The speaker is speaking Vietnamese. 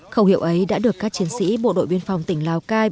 khẩu hiệu ấy đã được các chiến sĩ bộ đội biên phòng tỉnh lào cai